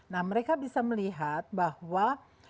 nah mereka bisa melihat bahwa